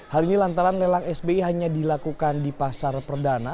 hal ini lantaran lelang sbi hanya dilakukan di pasar perdana